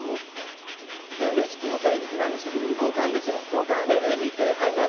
レシピも大切なんですけど五感ですよ。